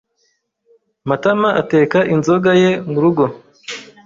Matama ateka inzoga ye murugo.